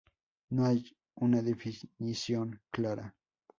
No hay una definición clara.